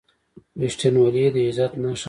• رښتینولي د عزت نښه ده.